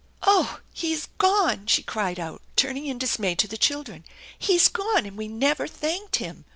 " Oh ! He is gone !" she cried out, turning in dismay to the children. " He is gone, and we never thanked him